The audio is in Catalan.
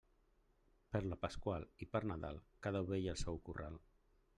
Per la Pasqual i per Nadal, cada ovella al seu corral.